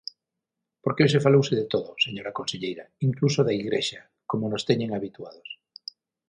Porque hoxe falouse de todo, señora conselleira, incluso da Igrexa, como nos teñen habituados.